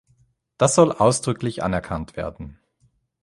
Das soll ausdrücklich anerkannt werden.